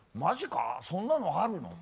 そんなのあるの？